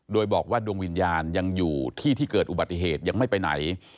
โดยบอกว่าดวงวิญญาณยังอยู่ที่ที่เกิดอุบัติเหตุยังไม่ไปไหน